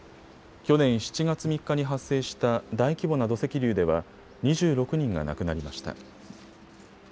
去年７月３日に発生した大規模な土石流では２６人が亡くなりました。